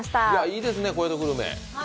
いいですね、小江戸グルメ。